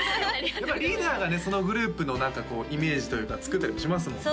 やっぱりリーダーがねそのグループの何かこうイメージというか作ったりもしますもんね